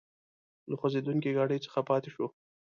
له خوځېدونکي ګاډي څخه پاتې شوو.